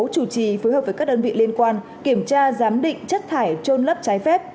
chủ trì phối hợp với các đơn vị liên quan kiểm tra giám định chất thải trôn lấp trái phép